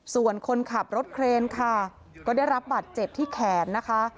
ส่วนคนขับรถเครนค่ะก็ได้รับบัตรเจ็บที่แขนนะคะ